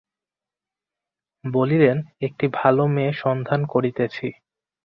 বলিলেন, একটি ভালো মেয়ে সন্ধান করিতেছি।